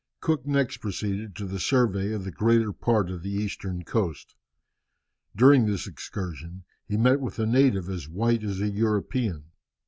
Cook next proceeded to the survey of the greater part of the eastern coast. During this excursion he met with a native as white as a European.